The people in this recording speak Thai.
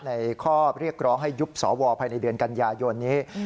ในข้อเรียกร้องให้ยุบสวภายในเดือนกันยายนนี้